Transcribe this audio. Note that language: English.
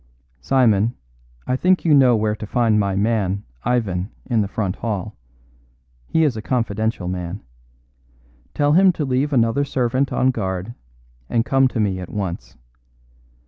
Simon, I think you know where to find my man, Ivan, in the front hall; he is a confidential man. Tell him to leave another servant on guard and come to me at once.